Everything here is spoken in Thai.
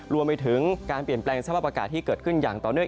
รวมไปถึงการเปลี่ยนแปลงสภาพอากาศที่เกิดขึ้นอย่างต่อเนื่อง